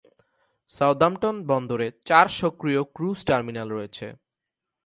Southampton বন্দরে চার সক্রিয় ক্রুজ টার্মিনাল রয়েছে।